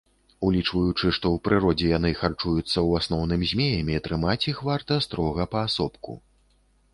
Улічваючы, што ў прыродзе яны харчуюцца ў асноўным змеямі, трымаць іх варта строга паасобку.